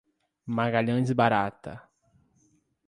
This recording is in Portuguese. Magalhães Barata